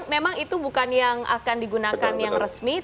memang itu bukan yang akan digunakan yang resmi